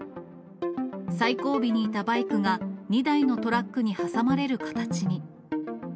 最後尾にいたバイクが２台のトラックに挟まれる形に。